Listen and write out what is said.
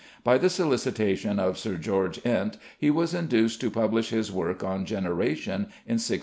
By the solicitation of Sir George Ent he was induced to publish his work on Generation in 1651.